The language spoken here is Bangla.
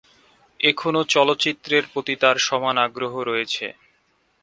এখনও চলচ্চিত্রের প্রতি তাঁর সমান আগ্রহ রয়েছে।